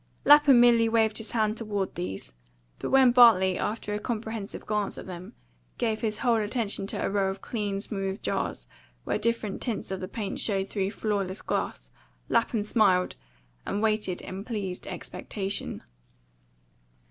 Lapham merely waved his hand toward these; but when Bartley, after a comprehensive glance at them, gave his whole attention to a row of clean, smooth jars, where different tints of the paint showed through flawless glass, Lapham smiled, and waited in pleased expectation.